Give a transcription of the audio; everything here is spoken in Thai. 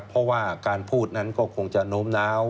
เพราะว่าการพูดนั้นก็คงจะโน้มน้าว